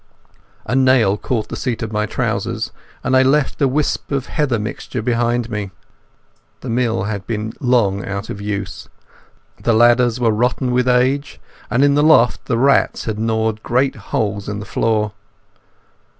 A nail caught the seat of my trousers, and I left a wisp of heather mixture behind me. The mill had been long out of use. The ladders were rotten with age, and in the loft the rats had gnawed great holes in the floor.